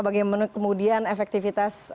bagaimana kemudian efektivitas